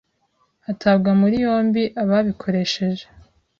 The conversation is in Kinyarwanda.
hatabwa muri yombi ababikoresheje